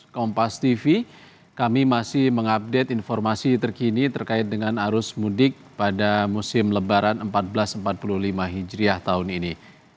kompas tv kami masih mengupdate informasi terkini terkait dengan arus mudik pada musim lebaran seribu empat ratus empat puluh lima hijriah tahun ini